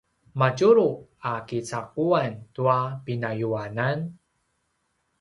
madjulu a kicaquan tua pinayuanan?